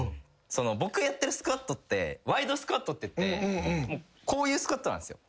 僕やってるスクワットってワイドスクワットっていってこういうスクワットなんですよ。